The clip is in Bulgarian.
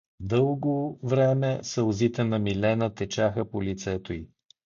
Дълго време сълзите на Милена течаха по лицето й.